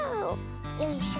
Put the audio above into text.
よいしょ。